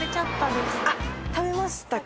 食べましたか。